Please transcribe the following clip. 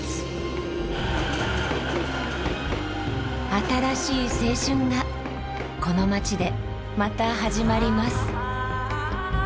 新しい青春がこの街でまた始まります。